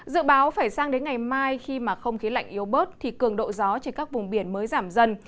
dự báo phải sang đến ngày mai khi mà không khí lạnh yếu bớt thì cường độ gió trên các vùng biển mới giảm dần